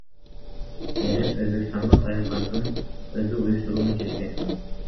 Мээрим Өзбекстанга саякатын өзү уюштурууну чечкен.